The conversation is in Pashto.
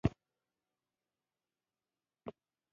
هغه تور پوستکی سړی شاته شو او رنګ یې ژیړ شو